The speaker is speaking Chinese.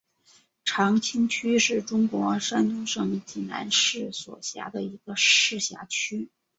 长清区是中国山东省济南市所辖的一个市辖区。